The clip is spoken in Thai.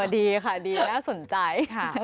อ๋อดีค่ะดีน่าสนใจ